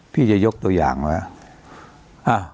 พี่จะยกตัวอย่างไหม